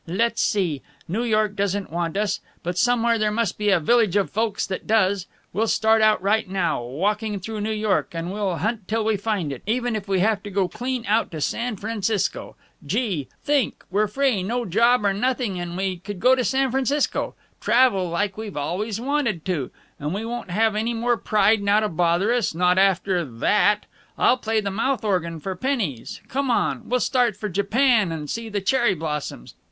"Let's see. New York doesn't want us. But somewhere there must be a village of folks that does. We'll start out right now, walking through New York, and we'll hunt till we find it, even if we have to go clean out to San Francisco. Gee! think, we're free, no job or nothing, and we could go to San Francisco! Travel, like we've always wanted to! And we won't have any more pride now to bother us, not after that. I'll play the mouth organ for pennies! Come on, we'll start for Japan, and see the cherry blossoms.